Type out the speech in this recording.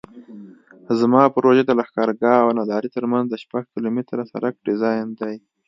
زما پروژه د لښکرګاه او نادعلي ترمنځ د شپږ کیلومتره سرک ډیزاین دی